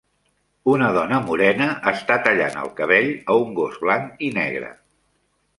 Una dona morena està tallant el cabell a un gos blanc i negre.